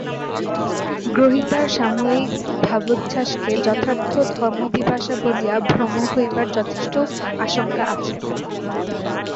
গ্রহীতার সাময়িক ভাবোচ্ছ্বাসকে যথার্থ ধর্মপিপাসা বলিয়া ভ্রম হইবার যথেষ্ট আশঙ্কা আছে।